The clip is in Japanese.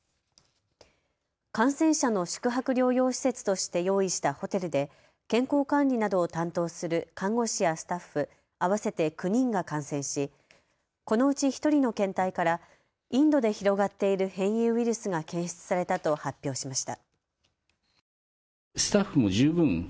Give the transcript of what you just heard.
感染者の宿泊療養施設として用意したホテルで健康管理などを担当する看護師やスタッフ、合わせて９人が感染しこのうち１人の検体からインドで広がっている変異ウイルスが検出されたと発表しました。